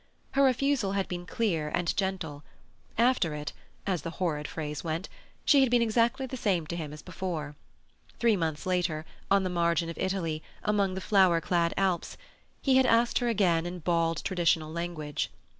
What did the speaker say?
Her refusal had been clear and gentle; after it—as the horrid phrase went—she had been exactly the same to him as before. Three months later, on the margin of Italy, among the flower clad Alps, he had asked her again in bald, traditional language.